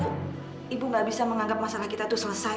kamu kamu sudah merusak rumah tangga saya